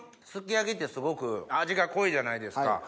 すき焼きってすごく味が濃いじゃないですか。